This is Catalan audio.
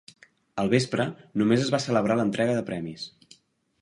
Al vespre només es va celebrar l'entrega de premis.